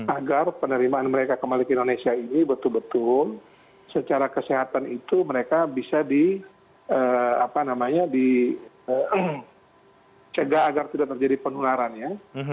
agar penerimaan mereka kembali ke indonesia ini betul betul secara kesehatan itu mereka bisa dicegah agar tidak terjadi penularan ya